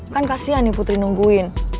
kan kasian nih putri nungguin